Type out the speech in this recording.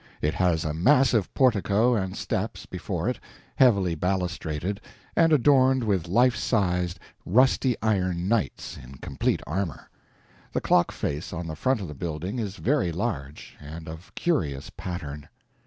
It has a massive portico and steps, before it, heavily balustraded, and adorned with life sized rusty iron knights in complete armor. The clock face on the front of the building is very large and of curious pattern.